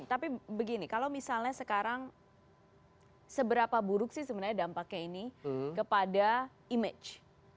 tapi begini kalau misalnya sekarang seberapa buruk sih sebenarnya dampaknya ini kepada image